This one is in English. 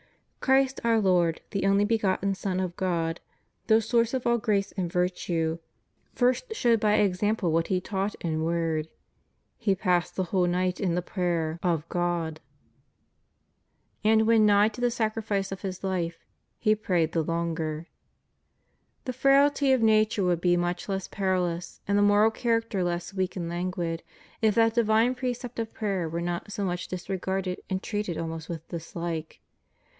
Christ our Lord, the only begotten Son of God, the source of all grace and virtue, first showed by example what He taught in word : He passed the whole night in the prayer of ' Matt. xxvi. 41. THE RIGHT ORDERING OF CHRISTIAN LIFE. 173 God;^ and when nigh to the sacrifice of His life, He prayed the longer.^ The frailty of nature would be much less peril ous, and the moral character less weak and languid, if that divine precept of prayer were not so much disre garded and treated almost with dishke.